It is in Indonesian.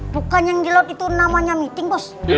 bukan yang di laut itu namanya meeting pos